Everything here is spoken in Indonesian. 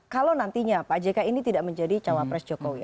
kalau nantinya pak jk ini tidak menjadi cawapres jokowi